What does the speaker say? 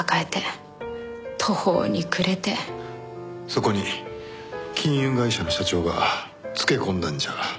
そこに金融会社の社長がつけ込んだんじゃ？